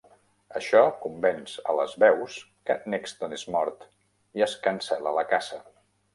Això convenç a les Veus que n'Exton és mort i es cancel·la la caça.